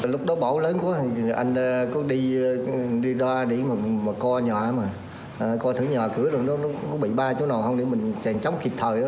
lúc đó bỏ lớn quá anh có đi ra để co nhỏ mà co thử nhỏ cửa rồi nó có bị ba chỗ nào không để mình chẳng chóng kịp thời đó